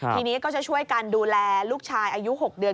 ทีนี้ก็จะช่วยกันดูแลลูกชายอายุ๖เดือน